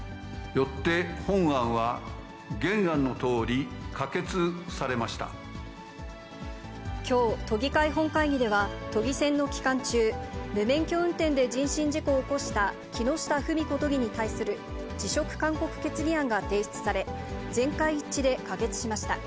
よって本案は、原案のとおり、きょう、都議会本会議では、都議選の期間中、無免許運転で人身事故を起こした木下富美子都議に対する辞職勧告決議案が提出され、全会一致で可決しました。